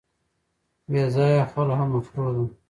بې ځایه خلع مکروه ده.